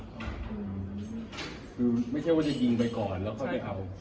คือไม่ใช่ว่าจะยิงไปก่อนแล้วเขาจะเอา